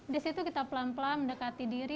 di situ kita pelan pelan mendekati diri